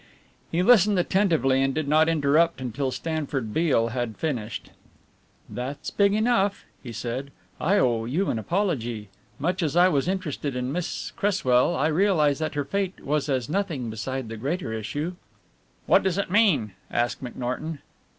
He listened attentively and did not interrupt until Stanford Beale had finished. "That's big enough," he said. "I owe you an apology much as I was interested in Miss Cresswell, I realize that her fate was as nothing beside the greater issue." "What does it mean?" asked McNorton.